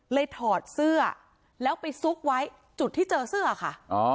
ถอดเสื้อแล้วไปซุกไว้จุดที่เจอเสื้อค่ะ